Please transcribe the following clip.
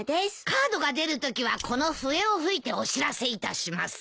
カードが出るときはこの笛を吹いてお知らせいたします。